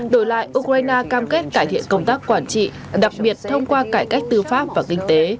đổi lại ukraine cam kết cải thiện công tác quản trị đặc biệt thông qua cải cách tư pháp và kinh tế